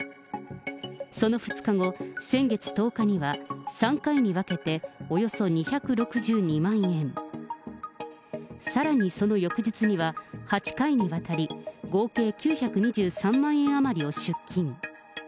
その２日後、先月１０日には、３回に分けて、およそ２６２万円、さらにその翌日には８回にわたり、合計９２３万円余りを出金。